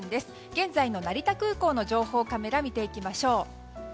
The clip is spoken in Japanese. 現在の成田空港の情報カメラを見ていきましょう。